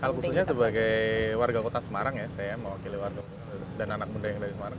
hal khususnya sebagai warga kota semarang ya saya mewakili warga dan anak muda yang dari semarang